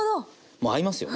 もう合いますよね。